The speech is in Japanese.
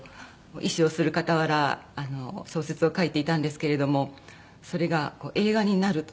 医師をする傍ら小説を書いていたんですけれどもそれが映画になると。